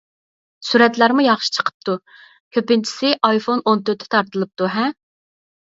سۈرەتلەرمۇ ياخشى چىقىپتۇ، كۆپىنچىسى ئايفون ئون تۆتتە تارتىلىپتۇ-ھە؟